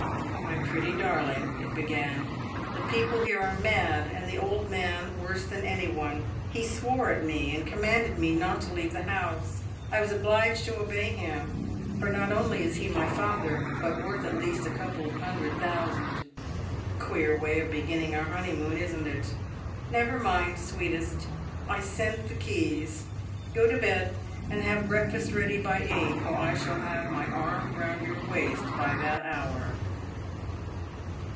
" My pretty darling," it began, "the people here are mad, and the old man worse than any one. He swore at me, and commanded me not to leave the house. I was obliged to obey him, for not only is lie my father, but worth at least a couple of hundred thousand. Queer way of beginning our honeymoon, isn't it ? Never mind, sweetest. I send the keys. Gro to bed, and have breakfast ready by eight, for I shall have my arm round your waist by that hour."